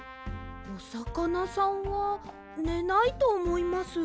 おさかなさんはねないとおもいます。